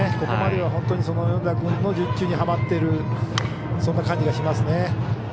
ここまでは本当に米田君の術中にはまっているそんな感じがしますね。